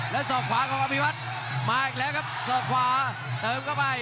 แล้วศอกขวาของอภิวัฒน์มาอีกแล้วครับศอกขวาเติมเข้าไป